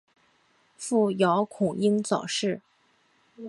父姚孔瑛早逝。